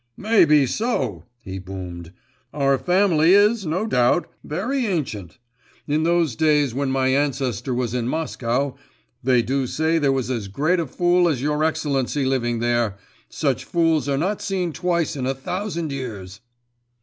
'May be so,' he boomed, 'our family is, no doubt, very ancient; in those days when my ancestor was in Moscow, they do say there was as great a fool as your excellency living there, and such fools are not seen twice in a thousand years.